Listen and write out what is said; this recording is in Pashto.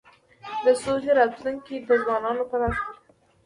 د سولی راتلونکی د ځوانانو په لاس کي دی.